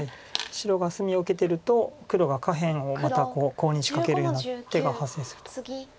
白が隅を受けてると黒が下辺をまたコウに仕掛けるような手が発生すると。